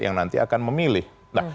yang nanti akan memilih nah